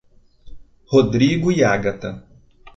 Rodrigo e Agatha